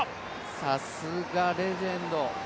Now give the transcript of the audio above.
さすがレジェンド。